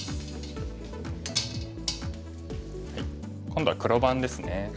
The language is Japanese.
今度は黒番ですね。